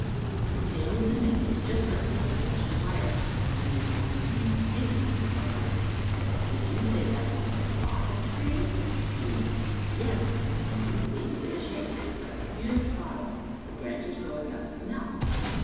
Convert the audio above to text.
" The tail of the male is just like an old fash ioned lyre, and it is one of the most interesting of our birds." " Did you say that was a bottle tree? " asked Jean. " Yes. Don't you see it is shaped just like a huge bottle, the branches growing out of the mouth